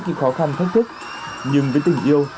những khó khăn thách thức nhưng với tình yêu